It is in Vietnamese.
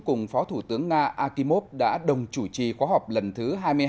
cùng phó thủ tướng nga akimov đã đồng chủ trì khóa học lần thứ hai mươi hai